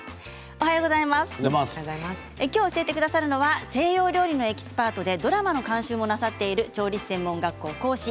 今日、教えてくださるのは西洋料理のエキスパートでドラマの監修もなさっている調理師専門学校講師